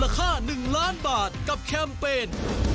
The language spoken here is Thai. แคมเปรน